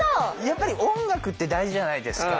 やっぱり音楽って大事じゃないですか。